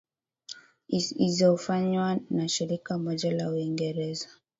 izofanywa na shirika moja la uingereza